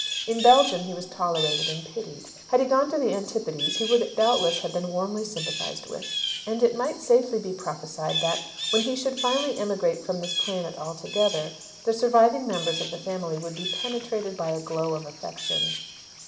In Belgium he was tolerated and pitied; had he gone to the Antipodes he would doubtless have been warmly sympathized with; and it might safely be prophesied that, when he should finally emigrate from this planet altogether, the surviving members of the family would be penetrated by a glow of affection.